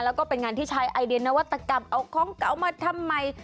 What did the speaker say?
แล้วก็เป็นงานที่ใช้ไอเดียนวัตกรรมเอาของเก่ามาทำไม